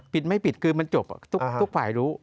ปิดไม่ปิดคือมันจบทุกฝ่ายรู้